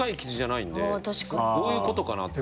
どういうことかなと。